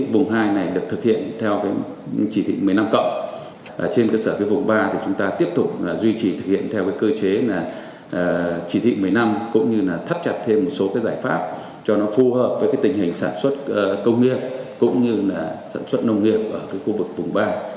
vùng hai của chúng ta sẽ tiếp tục thực hiện theo cơ chế chỉ thị một mươi năm cũng như thắt chặt thêm một số giải pháp cho nó phù hợp với tình hình sản xuất công nghiệp cũng như sản xuất nông nghiệp ở khu vực vùng ba